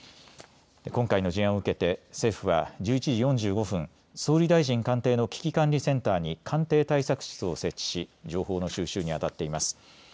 今回の事案を受けて政府は１１時４５分総理大臣官邸の危機管理センターに官邸対策室を設置し情報の収集に当たっています。